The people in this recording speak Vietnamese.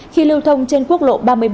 khi lưu thông trên quốc lộ ba mươi bảy